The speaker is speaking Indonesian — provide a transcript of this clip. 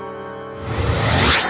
apa yang dibutuhkan putri